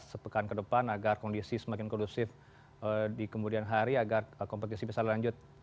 sepekan ke depan agar kondisi semakin kondusif di kemudian hari agar kompetisi bisa lanjut